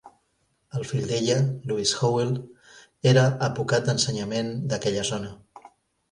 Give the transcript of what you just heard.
El fill d'ella, Lewis Howell, era advocat d'ensenyament d'aquella zona.